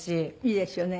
いいですよね。